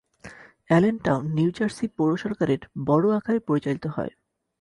Allentown New Jersey পৌর সরকারের borough আকারে পরিচালিত হয়।